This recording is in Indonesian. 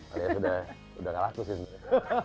alias sudah kalah tuh sih sebenarnya